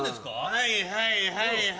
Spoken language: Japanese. はいはいはいはい。